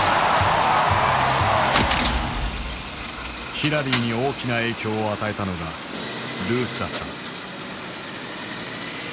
ヒラリーに大きな影響を与えたのがルースだった。